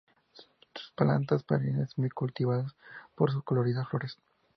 Son plantas perennes muy cultivadas por sus coloridas flores.